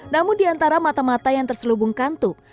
namun diantara mata mata yang terselubung kantuk